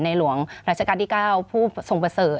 ในหลวงราชกาลที่๙ผู้ทรงเบอร์เสิร์ต